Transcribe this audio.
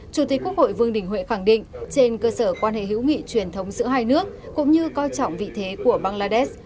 chủ tịch quốc hội vương đình huệ khẳng định trên cơ sở quan hệ hữu nghị truyền thống giữa hai nước cũng như coi trọng vị thế của bangladesh